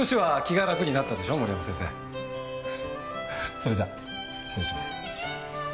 それじゃ失礼します。